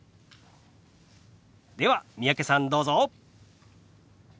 では三宅さんどうぞ！